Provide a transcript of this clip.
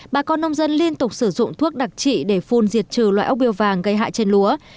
bà con nông dân liên tục sử dụng thuốc đặc trị để phun diệt trừ loại ốc biêu vàng gây hại trên lúa